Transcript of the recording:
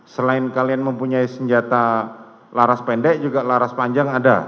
selain kalian mempunyai senjata laras pendek juga laras panjang ada